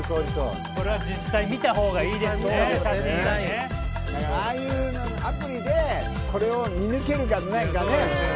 これは実際、見たほうがいいああいうアプリで、これを見抜けるか、なんかね。